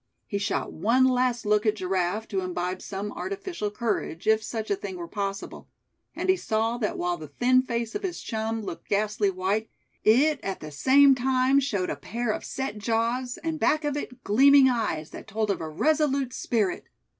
He shot one last look at Giraffe, to imbibe some artificial courage, if such a thing were possible; and he saw that while the thin face of his chum looked ghastly white, it at the same time showed a pair of set jaws, and back of it gleaming eyes that told of a resolute spirit.